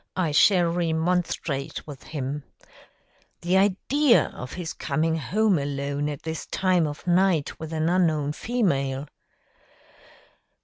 I shall remonstrate with him. The idea of his coming home alone at this time of night with an unknown female!"